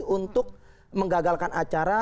untuk menggagalkan acara